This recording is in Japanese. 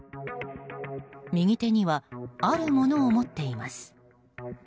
右手には、あるものを持っています。